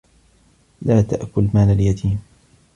لاتأكل مال اليتيم